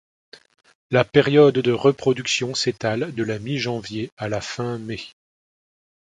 La période de reproduction s'étale de la mi-janvier à la fin-mai.